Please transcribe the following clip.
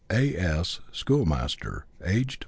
A.S. Schoolmaster, aged 46.